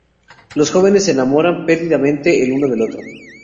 Los jóvenes se enamoraron perdidamente el uno del otro.